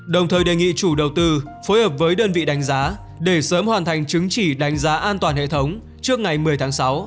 đồng thời đề nghị chủ đầu tư phối hợp với đơn vị đánh giá để sớm hoàn thành chứng chỉ đánh giá an toàn hệ thống trước ngày một mươi tháng sáu